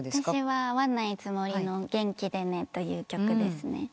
私は『会わないつもりの、元気でね』という曲です。